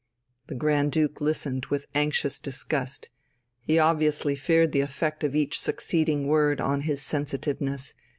The Grand Duke listened with anxious disgust; he obviously feared the effect of each succeeding word on his sensitiveness.